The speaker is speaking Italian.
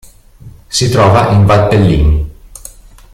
Si trova in Valpelline.